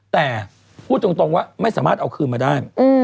แต่พูดตรงว่าไม่สามารถเอาคืนมาได้